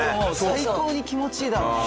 最高に気持ちいいだろうな。